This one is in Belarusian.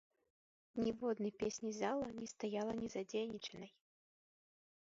Ніводнай песні зала не стаяла незадзейнічанай.